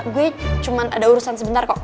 gue cuma ada urusan sebentar kok